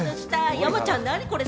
山ちゃん、これ何？